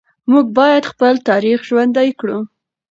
موږ باید خپل تاریخ ژوندي کړو.